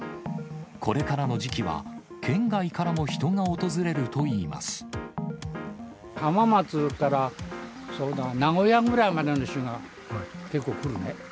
これからの時期は、県外からも人浜松からそうだな、名古屋ぐらいまでの人が、結構来るね。